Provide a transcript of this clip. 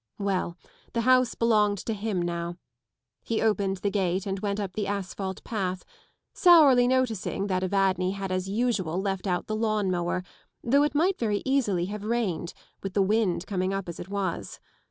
Well, the house belonged to him now. He opened the gate and went up the asphalt path, sourly noticing that Evadne had as usual left out the lawn mower, though it might very easily have rained, with the wind coming up as it was.